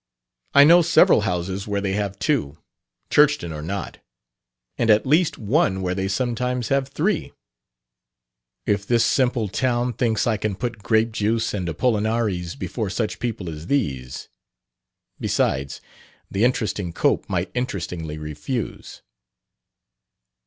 "I know several houses where they have two, Churchton or not, and at least one where they sometimes have three. If this simple town thinks I can put grape juice and Apollinaris before such people as these...." Besides, the interesting Cope might interestingly refuse!